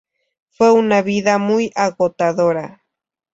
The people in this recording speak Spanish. Fue una vida muy agotadora.